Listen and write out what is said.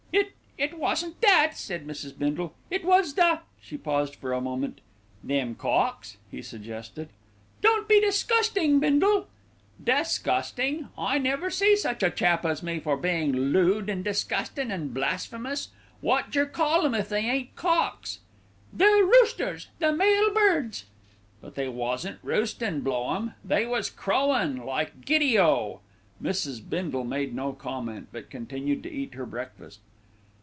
"It it wasn't that," said Mrs. Bindle. "It was the " She paused for a moment. "Them cocks," he suggested. "Don't be disgusting, Bindle." "Disgusting? I never see such a chap as me for bein' lood an' disgustin' an' blasphemious. Wot jer call 'em if they ain't cocks?" "They're roosters the male birds." "But they wasn't roostin', blow 'em. They was crowin', like giddy o." Mrs. Bindle made no comment; but continued to eat her breakfast.